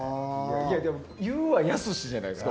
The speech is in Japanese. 言うは易しじゃないですか。